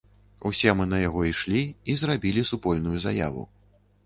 Усе мы на яго ішлі і зрабілі супольную заяву.